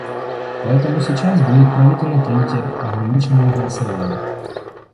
Поэтому сейчас будет проведено третье ограниченное голосование.